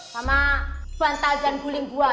sama bantal dan guling gua